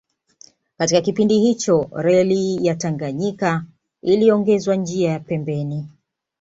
Katika kipindi hicho Reli ya Tanganyika iliongezwa njia ya pembeni